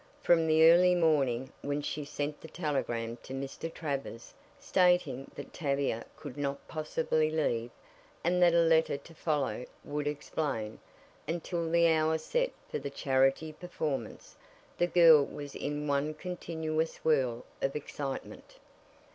From the early morning, when she sent the telegram to Mr. Travers, stating that Tavia could not possibly leave, and that a letter to follow would explain, until the hour set for the charity performance, the girl was in one continuous whirl of excitement.